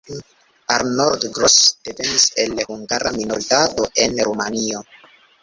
Arnold Gross devenis el hungara minoritato en Rumanio.